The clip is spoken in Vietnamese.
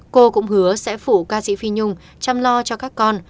cô cũng hứa sẽ phủ ca sĩ phi nhung chăm lo cho các con